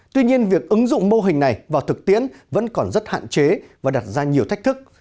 tuy nhiên việc ứng dụng mô hình này vào thực tiễn vẫn còn rất hạn chế và đặt ra nhiều thách thức